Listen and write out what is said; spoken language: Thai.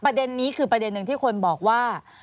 ประเด็นนี้คือประเด็นหนึ่งที่คนบอกว่า